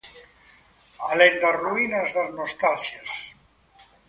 Alén das ruínas, das nostalxias.